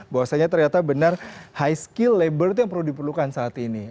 bahwasanya ternyata benar high skill labor itu yang perlu diperlukan saat ini